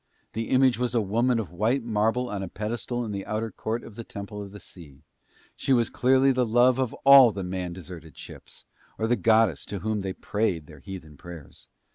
The image was a woman of white marble on a pedestal in the outer court of the Temple of the Sea: she was clearly the love of all the man deserted ships, or the goddess to whom they prayed their heathen prayers.